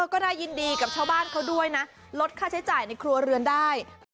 ก็น่ายินดีกับชาวบ้านเขาด้วยนะลดค่าใช้จ่ายในครัวเรือนได้